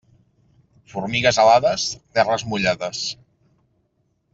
Formigues alades, terres mullades.